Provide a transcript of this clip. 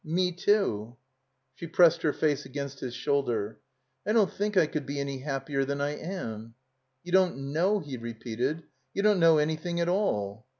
Me too." She pressed her face against his shoulder. ''I don't think I could be any happier than I am." You don't know," he repeated. "You don't know anything at all."